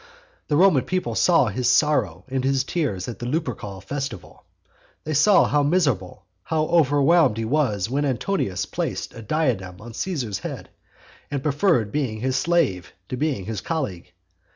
The Roman people saw his sorrow and his tears at the Lupercal festival. They saw how miserable, how overwhelmed he was when Antonius placed a diadem on Caesar's head and preferred being his slave to being his colleague.